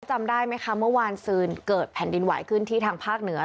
จำได้ไหมคะเมื่อวานซืนเกิดแผ่นดินไหวขึ้นที่ทางภาคเหนือ